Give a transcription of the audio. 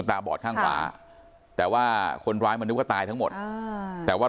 ตาบอดข้างขวาแต่ว่าคนร้ายมันนึกว่าตายทั้งหมดแต่ว่า